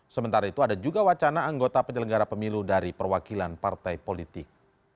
sementara itu ada juga wacana anggota penyelenggara pemilu dari perwakilan partai politik